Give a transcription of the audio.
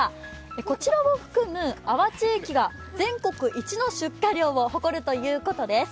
こちらを含む安房地域が全国一の出荷量を誇るということです。